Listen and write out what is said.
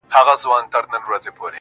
نه مي کوئ گراني، خو ستا لپاره کيږي ژوند.